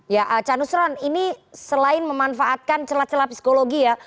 ya canusron ini selain memanfaatkan celah celah psikologi ya